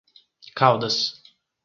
Caldas